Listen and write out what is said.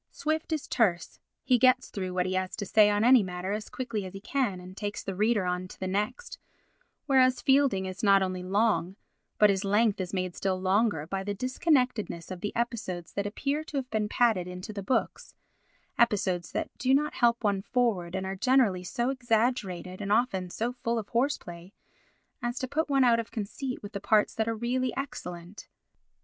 Swift is terse, he gets through what he has to say on any matter as quickly as he can and takes the reader on to the next, whereas Fielding is not only long, but his length is made still longer by the disconnectedness of the episodes that appear to have been padded into the books—episodes that do not help one forward, and are generally so exaggerated, and often so full of horse play as to put one out of conceit with the parts that are really excellent.